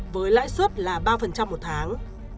với lãi suất là ba một tháng